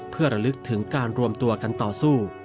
เพื่อระลึกถึงการรวมตัวกันต่อสู้